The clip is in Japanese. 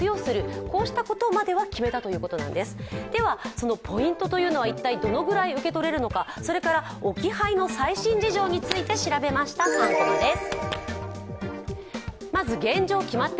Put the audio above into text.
そのポイントというのは一体どのくらい受け取れるのか、それから置き配の最新事情について調べました３コマです。